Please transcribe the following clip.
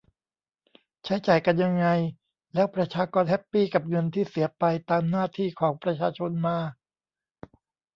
ใช้จ่ายกันยังไง แล้วประชากรแฮปปี้กับเงินที่เสียไปตามหน้าที่ของประชาชนมา